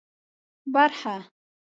برخه